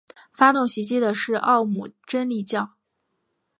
发动袭击的是奥姆真理教。